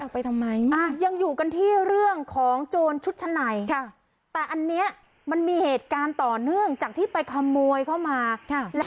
ไปทำไมยังอยู่กันที่เรื่องของโจรชุดชั้นในแต่อันนี้มันมีเหตุการณ์ต่อเนื่องจากที่ไปขโมยเข้ามาแล้ว